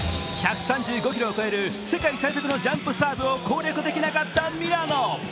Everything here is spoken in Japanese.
１３５キロを超える世界最速のジャンプサーブを攻略できなかったミラノ。